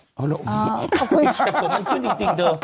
แต่โฟร์มันขึ้นจริงเดี๋ยว